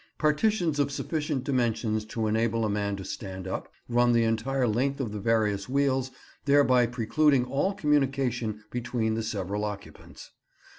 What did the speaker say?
Partitions, of sufficient dimensions to enable a man to stand up, run the entire length of the various wheels, thereby precluding all communication between the several occupants.